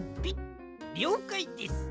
りょうかいです！